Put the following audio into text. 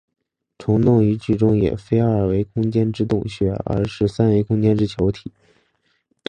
虫洞于剧中也非二维空间之洞穴而是三维空间之球体。